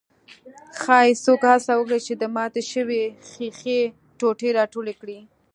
ښايي څوک هڅه وکړي چې د ماتې شوې ښيښې ټوټې راټولې کړي.